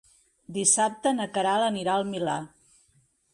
Dissabte na Queralt anirà al Milà.